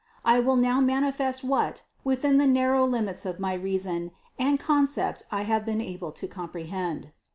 I will now manifest what within the narrow limits of my reason and concept I have been able to comprehend.